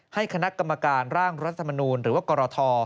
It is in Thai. ให้คณะกรรมการร่างรัฐมนูลหรือว่ากรท